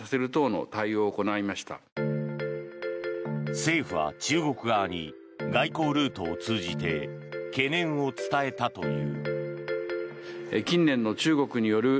政府は中国側に外交ルートを通じて懸念を伝えたという。